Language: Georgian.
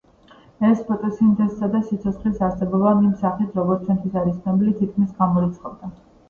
ეს ფოტოსინთეზსა და სიცოცხლის არსებობას იმ სახით, როგორც ჩვენთვის არის ცნობილი, თითქმის გამორიცხავდა.